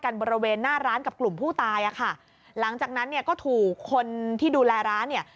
บริเวณหน้าร้านกับกลุ่มผู้ตายอ่ะค่ะหลังจากนั้นเนี่ยก็ถูกคนที่ดูแลร้านเนี่ย